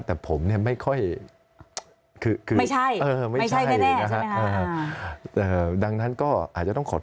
อย่างเงี้ยมันก็นี่ทำได้เยอะแล้วหรอค่ะ